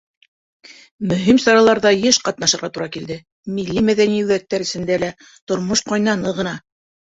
Мөһим сараларҙа йыш ҡатнашырға тура килде, милли-мәҙәни үҙәктәр эсендә лә тормош ҡайнаны ғына.